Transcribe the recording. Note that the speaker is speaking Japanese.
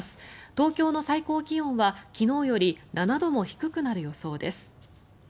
東京の最高気温は、昨日より７度も低くなる予想です。